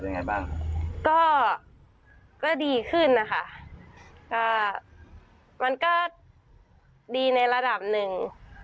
คิดการผ่านไปแล้วเป็นยังไงบ้าง